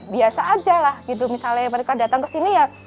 biasa aja lah gitu misalnya mereka datang ke sini ya